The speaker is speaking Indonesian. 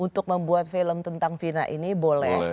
untuk membuat film tentang vina ini boleh